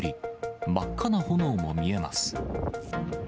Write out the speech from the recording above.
真っ赤な炎も見えます。